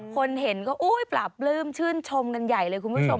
คนเห็นก็อุ้ยปราบปลื้มชื่นชมกันใหญ่เลยคุณผู้ชม